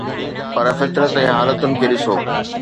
پر فطرت يا حالتن کي ڏسو.